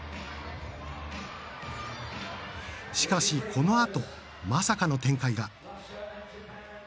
しかし、このあとまさかの展開が。